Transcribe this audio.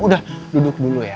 udah duduk dulu ya